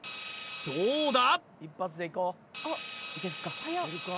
どうだ！？